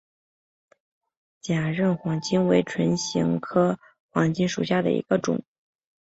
假韧黄芩为唇形科黄芩属下的一个种。